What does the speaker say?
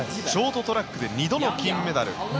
ショートトラックで２度の金メダル。